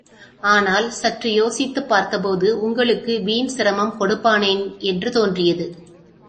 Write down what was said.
ஆனால், சற்று யோசித்துப் பார்த்த போது, உங்களுக்கு வீண் சிரமம் கொடுப்பானேன் என்று தோன்றியது.